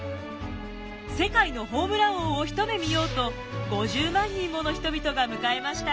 世界のホームラン王を一目見ようと５０万人もの人々が迎えました。